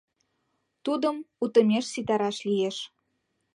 Тудым утымеш ситараш лиеш.